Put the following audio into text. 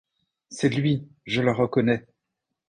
C’est lui… je le reconnais !…